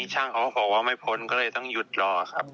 ช่างเขาก็บอกว่าไม่พ้นก็เลยต้องหยุดรอครับ